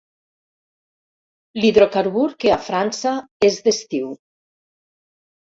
L'hidrocarbur que a França és d'estiu.